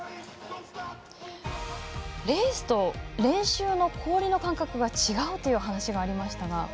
レースと練習の氷の感覚が違うという話がありましたが。